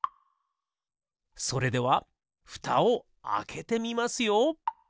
それではふたをあけてみますよ。